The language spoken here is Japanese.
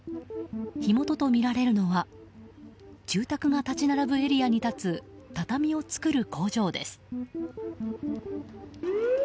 火元とみられるのは住宅が立ち並ぶエリアに立つ畳を作る工場です。